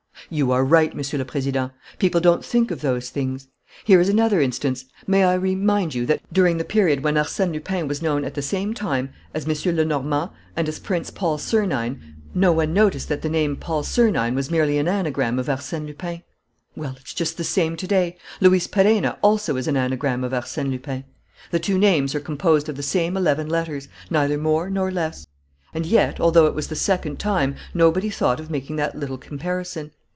"You are right, Monsieur le Président. People don't think of those things. Here is another instance: may I remind you that during the period when Arsène Lupin was known at the same time as M. Lenormand and as Prince Paul Sernine, no one noticed that the name Paul Sernine was merely an anagram of Arsène Lupin? Well, it's just the same to day: Luis Perenna also is an anagram of Arsène Lupin. The two names are composed of the same eleven letters, neither more nor less. And yet, although it was the second time, nobody thought of making that little comparison.